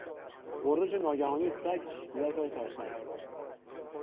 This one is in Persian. غرش ناگهانی سگ کودک را ترساند.